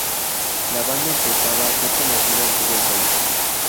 La banda empezaba a ser conocida en todo el país.